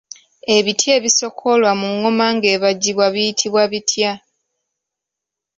Ebiti ebisokoolwa mu ngoma ng’ebajjibwa biyitibwa bitya?